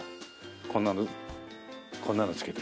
こんなのこんなの着けて。